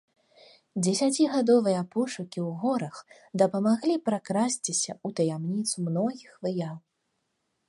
Дзесяцігадовыя пошукі ў горах дапамаглі пракрасціся ў таямніцу многіх выяў.